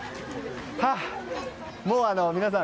もう皆さん